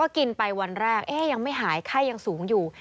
กินไปวันแรกยังไม่หายไข้ยังสูงอยู่